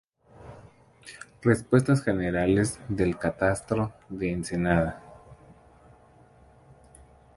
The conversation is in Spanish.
Respuestas Generales del Catastro de Ensenada.